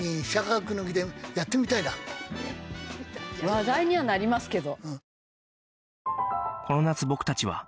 話題にはなりますけど。